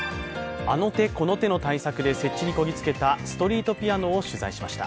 あの手この手の対策で設置にこぎ着けたストリートピアノを取材しました。